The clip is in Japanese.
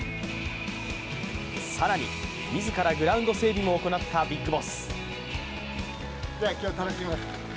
更に、自らグラウンド整備も行ったビッグボス。